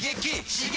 刺激！